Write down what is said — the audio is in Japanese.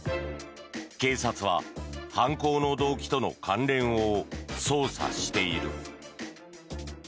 警察は犯行の動機との関連を捜査している。